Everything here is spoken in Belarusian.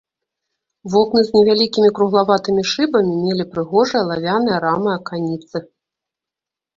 Вокны з невялікімі круглаватымі шыбамі мелі прыгожыя алавяныя рамы-аканіцы.